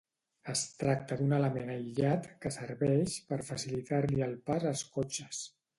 Es tracta d'un element aïllat que serveix per facilitar-li el pas als cotxes.